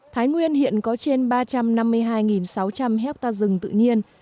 thái nguyên hiện có trên ba trăm năm mươi hai sáu trăm linh hectare rừng tự nhiên